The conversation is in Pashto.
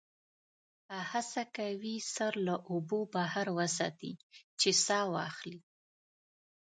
هڅه کوي سر له اوبو بهر وساتي چې سا واخلي.